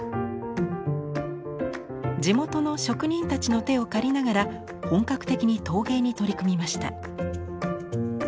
地元の職人たちの手を借りながら本格的に陶芸に取り組みました。